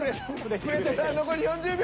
さあ残り４０秒。